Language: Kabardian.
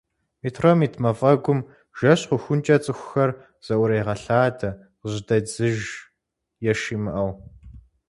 Метром ит мафӏэгум жэщ хъухункӏэ цӏыхухэр зыӏурегъэлъадэ къыжьэдедзыж, еш имыӏэу.